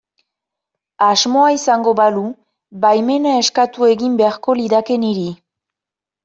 Asmoa izango balu baimena eskatu egin beharko lidake niri.